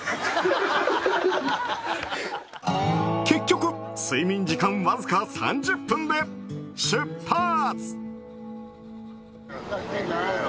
結局、睡眠時間わずか３０分で出発。